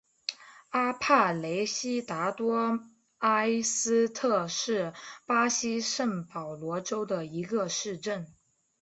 阿帕雷西达多埃斯特是巴西圣保罗州的一个市镇。